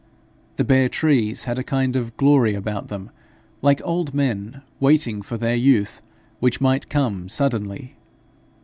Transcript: The bare trees had a kind of glory about them, like old men waiting for their youth, which might come suddenly.